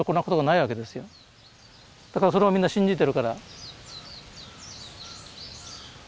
だからそれをみんな信じてるから。